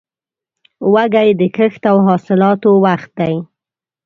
وږی د کښت او حاصلاتو وخت دی.